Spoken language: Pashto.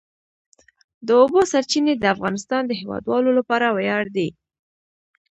د اوبو سرچینې د افغانستان د هیوادوالو لپاره ویاړ دی.